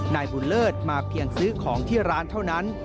นายบุญเลิศมาเพียงซื้อของที่ร้านเท่านั้น